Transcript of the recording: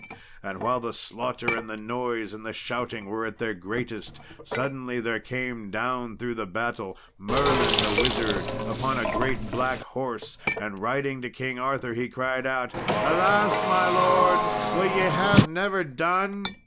And while the slaughter and the noise and shouting were at their greatest, suddenly there came down through the battle Merlin the Wizard, upon a great black horse, and riding to King Arthur, he cried out, "Alas, my Lord! will ye have never done?